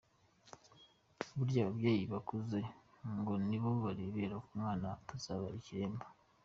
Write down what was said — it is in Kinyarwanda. Burya ababyeyi bakuze ngo niho barebera ko umwana atazaba ikiremba.